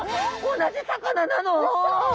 同じ魚なの！